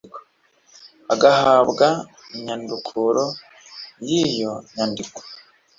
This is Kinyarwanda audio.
agahabwa inyandukuro y'iyo nyandiko